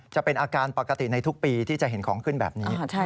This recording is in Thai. จะเป็นอาการปกติในทุกปีที่จะเห็นของขึ้นแบบนี้